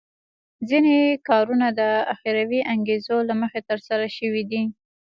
ځینې کارونه د اخروي انګېزو له مخې ترسره شوي دي.